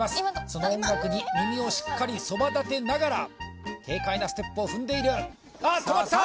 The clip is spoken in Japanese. その音楽に耳をしっかりそばだてながら軽快なステップを踏んでいるあっ止まった！